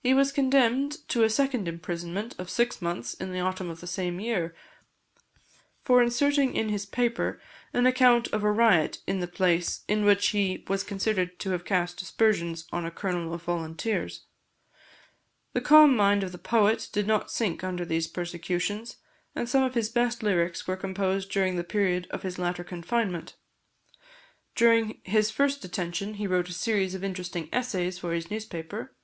He was condemned to a second imprisonment of six months in the autumn of the same year, for inserting in his paper an account of a riot in the place, in which he was considered to have cast aspersions on a colonel of volunteers. The calm mind of the poet did not sink under these persecutions, and some of his best lyrics were composed during the period of his latter confinement. During his first detention he wrote a series of interesting essays for his newspaper.